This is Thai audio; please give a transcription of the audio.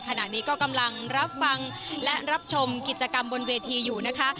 ขณะนี้ก็กำลังรับฟังและรับชมกิจกรรมบนเวทีอยู่นะคะ